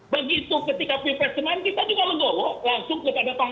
begitu ketika pilpres kemarin kita juga legowo langsung kepada pak jokowi